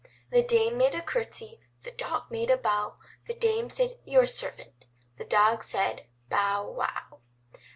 The dame made a curtsy, the dog made a bow, The dame said, ''Your servant; "the dog said, ''Bow wow.'